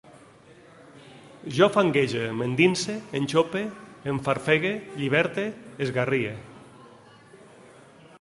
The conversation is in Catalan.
Jo fanguege, m'endinse, enxope, enfarfegue, lliberte, esgarrie